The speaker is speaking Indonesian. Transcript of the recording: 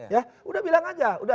ya sudah bilang saja